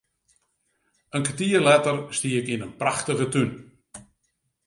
In kertier letter stie ik yn in prachtige tún.